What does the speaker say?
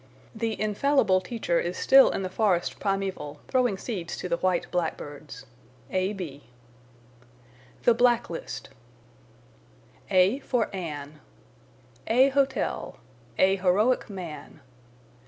The infallible teacher is still in the forest primeval, throwing seeds to the white blackbirds. A.B. THE BLACKLIST A for An. "A hotel." "A heroic man."